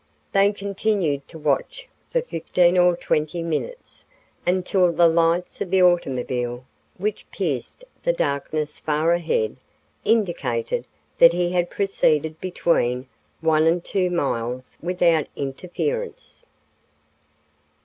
They continued the watch for fifteen or twenty minutes, until the lights of the automobile, which pierced the darkness far ahead, indicated that he had proceeded between one and two miles without interference.